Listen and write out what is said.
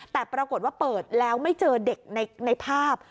แต่ปรากฏว่าเปิดแล้วไม่เจอเด็กในภาพ